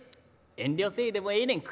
遠慮せえでもええねん